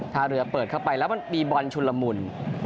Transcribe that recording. ท่าเรือเปิดเข้าไปแล้วมันมีบอลชุนละมุน